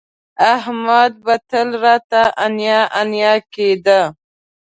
احمد به تل راته انیا انیا کېده